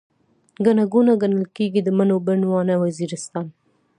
ګڼه ګوڼه، ګڼل کيږي، د مڼو بڼ، واڼه وزيرستان